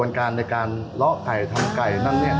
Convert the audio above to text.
เราให้เขาทำตรงนี้